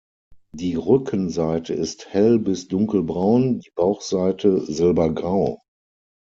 Die Rückenseite ist hell- bis dunkelbraun, die Bauchseite silbergrau.